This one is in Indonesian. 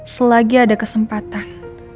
selagi ada kesempatan